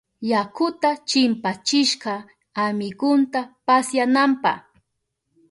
Yakuta chimpachishka amigunta pasyananpa.